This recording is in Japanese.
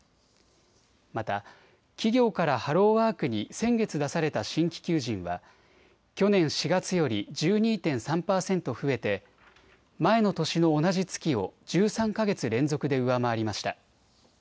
また企業からハローワークに先月、出された新規求人は去年４月より１２．３％増えて前の年の同じ月を１３か月連続で上回りました。